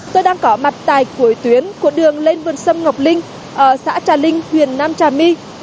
tôi đang có mặt tại cuối tuyến của đường lên vườn sâm ngọc linh ở xã trà linh huyện nam trà my